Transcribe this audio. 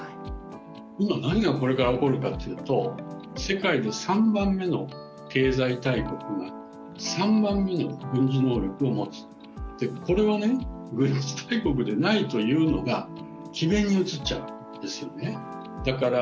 今、何がこれから起こるかというと、世界の３番目の経済大国が３番目の軍事能力を持つ、これは軍事大国でないというのがきべんに映っちゃうわけですよね。